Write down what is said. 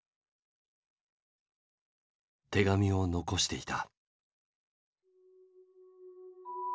手紙を遺していた。